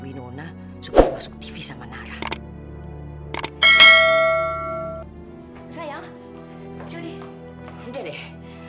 minona sehingga dia menangis dan menangis kembali ke rumah dia menangis ke rumah dia menangis ke rumah